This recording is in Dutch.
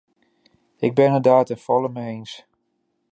Ik ben het daar ten volle mee eens.